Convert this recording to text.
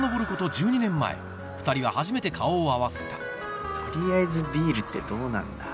１２年前２人は初めて顔を合わせた取りあえずビールってどうなんだ？